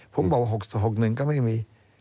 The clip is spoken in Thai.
ผมบอกว่า๖๖๑ก็ไม่มี